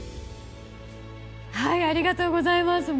ありがとうございます。